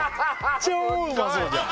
超うまそうじゃん